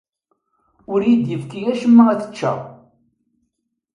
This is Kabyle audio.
Ur iyi-d-yefki acemma ad t-ččeɣ.